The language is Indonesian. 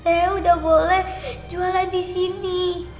saya udah boleh jualan di sini